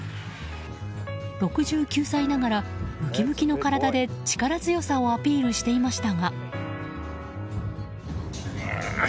６９歳ながらムキムキの体で力強さをアピールしていましたが。